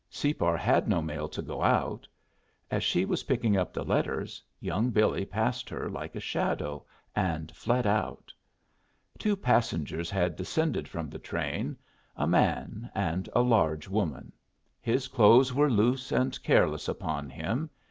Separ had no mail to go out. As she was picking up the letters young Billy passed her like a shadow, and fled out. Two passengers had descended from the train, a man and a large woman. His clothes were loose and careless upon him.